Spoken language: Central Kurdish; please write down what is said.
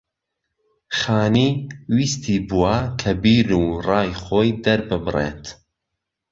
خانی ویستی بووە کە بیرو ڕای خۆی دەرببڕێت